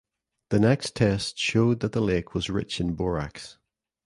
The next test showed that the lake was rich in borax.